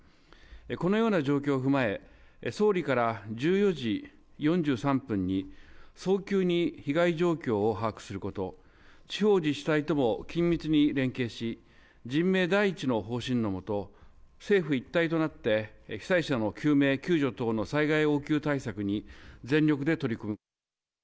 このような状況を踏まえ、総理から１４時４３分に、早急に被害状況を把握すること、地方自治体とも緊密に連携し、人命第一の方針の下、政府一体となって、被災者の救命救助等の災害応急対策に全力で取り組む。